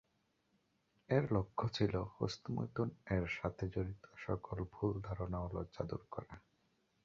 এর লক্ষ্য ছিল হস্তমৈথুন এর সাথে জড়িত সকল ভুল ধারণা ও লজ্জা দূর করা।